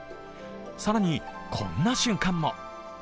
更に、こんな瞬間も。